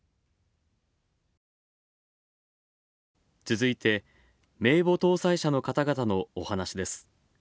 続いて、名簿登載者の方々の、お話です。